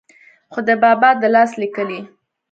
خو دَبابا دَلاس ليکلې